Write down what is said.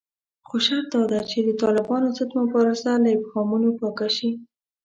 خو شرط داده چې د طالبانو ضد مبارزه له ابهامونو پاکه شي